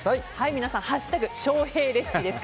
皆さん、「＃翔平レシピ」です。